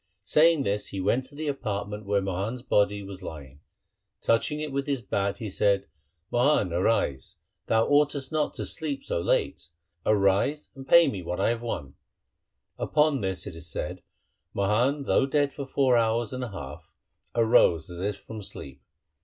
Saying this he went to the apartment where Mohan's body was lying. Touching it with his bat he said, ' Mohan, arise. Utter Wahguru ! Open thine eyes. Thou oughtest not to sleep so late, arise and pay me what I have won.' Upon this, it is said, Mohan, though dead for four hours and a half, arose as if from sleep.